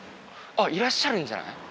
あっいらっしゃるんじゃない？